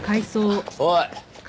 おい！